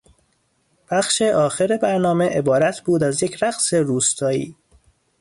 بخش آخر برنامه عبارت بود از یک رقص روستایی.